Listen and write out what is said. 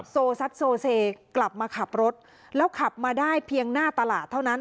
โซซัดโซเซกลับมาขับรถแล้วขับมาได้เพียงหน้าตลาดเท่านั้น